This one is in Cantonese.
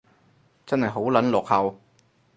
真係好撚落後